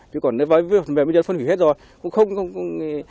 chứ còn với phân hủy hết rồi